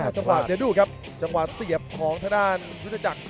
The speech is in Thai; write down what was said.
จังหวะเดี๋ยวดูครับจังหวะเสียบของทางด้านยุทธจักร